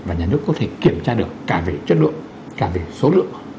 và nhà nước có thể kiểm tra được cả về chất lượng cả về số lượng